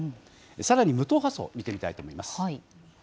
さらに無党派層見てみたいと思います。